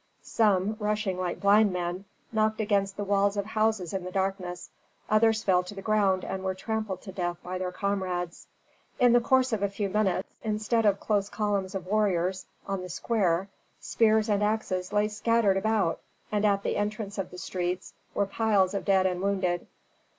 Some, rushing like blind men, knocked against the walls of houses in the darkness; others fell to the ground and were trampled to death by their comrades. In the course of a few minutes, instead of close columns of warriors, on the square, spears and axes lay scattered about, and at the entrance of the streets were piles of dead and wounded.